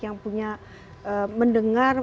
yang punya mendengar